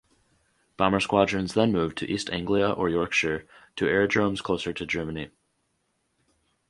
Bomber squadrons then moved to East Anglia or Yorkshire to aerodromes closer to Germany.